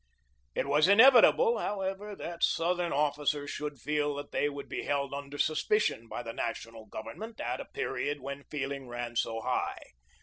It was inevitable, however, that Southern officers should feel that they would be held under suspicion by the National Government at a period when feeling ran so high.